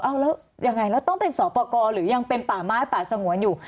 เอาแล้วยังไงแล้วต้องเป็นสอบประกอบหรือยังเป็นป่าไม้ป่าสงวนอยู่